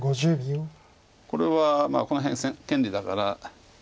これはまあこの辺権利だから。